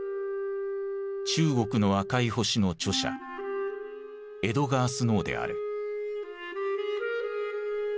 「中国の赤い星」の著者エドガー・スノーである。